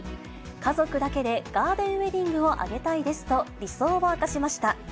家族だけでガーデンウエディングを挙げたいですと、理想を明かしました。